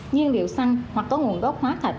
nhiên liệu xăng hoặc có nguồn gốc hóa thạch